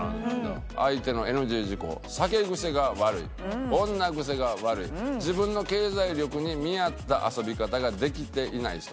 「相手のＮＧ事項酒癖が悪い女癖が悪い自分の経済力に見合った遊び方ができていない人」